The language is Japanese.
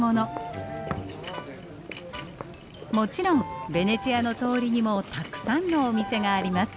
もちろんベネチアの通りにもたくさんのお店があります。